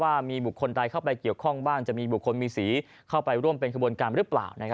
ว่ามีบุคคลใดเข้าไปเกี่ยวข้องบ้างจะมีบุคคลมีสีเข้าไปร่วมเป็นขบวนการหรือเปล่า